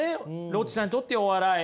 ロッチさんにとってお笑い。